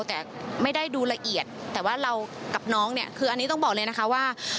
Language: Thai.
แต่ไม่ได้ดูละเอียดแต่ว่าเรากับน้องเนี่ยคืออันนี้ต้องบอกเลยนะคะว่า